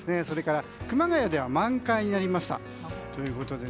それから熊谷では満開になりました。